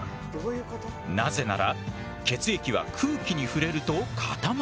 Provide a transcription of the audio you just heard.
なぜなら血液は空気に触れると固まってしまう。